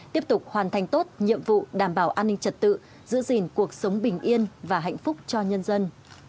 tiếp tục hoàn thành tốt nhiệm vụ đảm bảo an ninh trật tự giữ gìn cuộc sống bình yên và hạnh phúc cho nhân dân